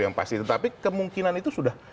yang pasti tetapi kemungkinan itu sudah